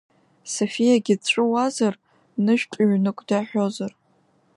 Софиагьы дҵәыуазар, нышәтә ҩнык даҳәозар!